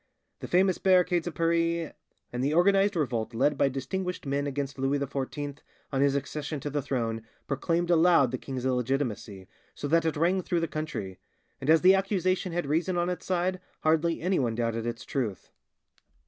The famous barricades of Paris, and the organised revolt led by distinguished men against Louis XIV on his accession to the throne, proclaimed aloud the king's illegitimacy, so that it rang through the country; and as the accusation had reason on its side, hardly anyone doubted its truth."